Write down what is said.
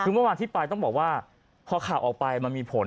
คือเมื่อวานที่ไปต้องบอกว่าพอข่าวออกไปมันมีผล